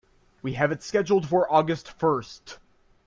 We have it scheduled for August first.